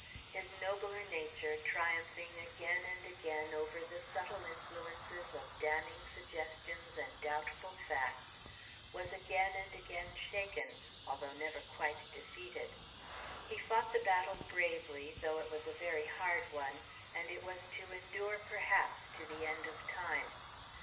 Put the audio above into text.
His nobler nature, triumphing again and again over the subtle influences of damning suggestions and doubtful facts, was again and again shaken, although never quite defeated. He fought the battle bravely, though it was a very hard one, and it was to endure, perhaps, to the end of time.